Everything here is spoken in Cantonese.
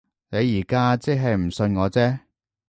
你而家即係唔信我啫